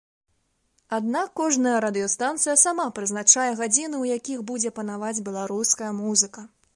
Аднак кожная радыёстанцыя сама прызначае гадзіны, у якіх будзе панаваць беларуская музыка.